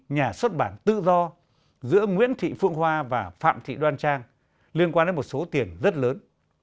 nhà xuất bản tự do giữa nguyễn thị phương hoa và phạm thị đoan trang liên quan đến một số tiền rất lớn